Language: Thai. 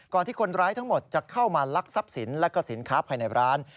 ที่คนร้ายทั้งหมดจะเข้ามาลักทรัพย์สินและก็สินค้าภายในร้าน